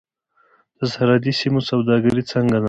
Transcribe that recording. د سرحدي سیمو سوداګري څنګه ده؟